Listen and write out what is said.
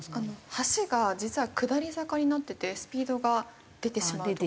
橋が実は下り坂になっていてスピードが出てしまうとか。